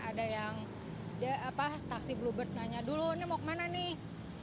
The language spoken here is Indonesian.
ada yang taksi bluebird nanya dulu ini mau kemana nih